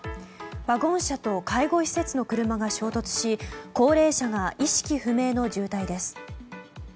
ワゴン車と介護施設の車が衝突し高齢者が意識不明の重体です。